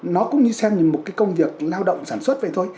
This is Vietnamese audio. nó cũng như xem như một cái công việc lao động sản xuất vậy thôi